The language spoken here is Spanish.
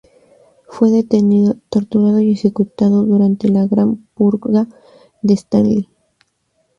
Fue detenido, torturado y ejecutado durante la Gran Purga de Stalin.